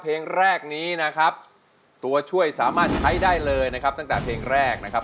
เพลงแรกนี้นะครับตัวช่วยสามารถใช้ได้เลยนะครับตั้งแต่เพลงแรกนะครับ